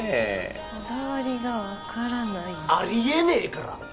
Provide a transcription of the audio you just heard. こだわりが分からないありえねえから！